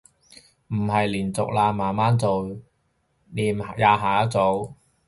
唔係連續啦，慢慢做，廿下一組